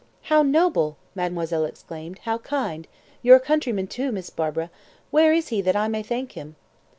"How noble!" mademoiselle exclaimed. "How kind! Your countryman too, Miss Barbara! Where is he that I may thank him?"